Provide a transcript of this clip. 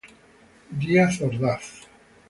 Díaz Ordaz.